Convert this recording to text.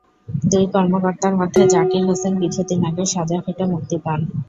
দুই কর্মকর্তার মধ্যে জাকির হোসেন কিছুদিন আগে সাজা খেটে মুক্তি পান।